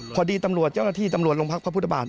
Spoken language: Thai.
พอดีตำรวจเจ้าหน้าที่ตำรวจลงพัคพฤตบาส